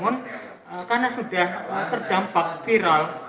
namun karena sudah terdampak viral